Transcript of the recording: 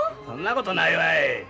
そんなことないわい。